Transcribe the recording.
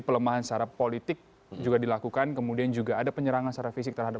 pelemahan secara politik juga dilakukan kemudian juga ada penyerangan secara fisik terhadap